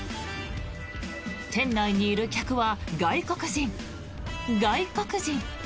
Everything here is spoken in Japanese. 店内にいる客は外国人、外国人